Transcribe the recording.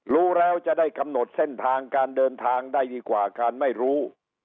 รู้แล้วจะได้กำหนดเส้นทางการเดินทางได้ดีกว่าการไม่รู้